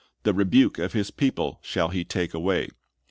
"The rebuke of His people shall He take away."